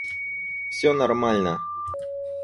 Всё нормально